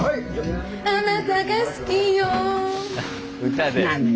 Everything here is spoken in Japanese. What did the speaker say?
歌で。